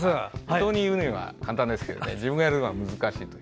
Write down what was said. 人に言うのは簡単ですけど自分がやるのは難しいです。